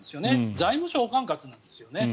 財務省管轄なんですよね。